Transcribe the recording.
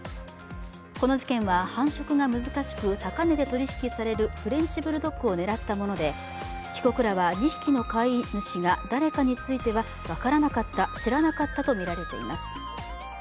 この事件は繁殖が難しく高値で取引されるフレンチブルドッグを狙ったもので被告らは２匹の飼い主は分からなかった、知らなかったと見られています。